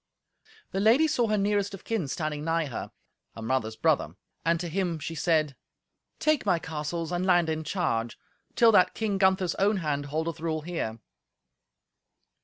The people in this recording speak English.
The lady saw her nearest of kin standing night her—her mother's brother—and to him she said, "Take my castles and land in charge, till that King Gunther's own hand holdeth rule here."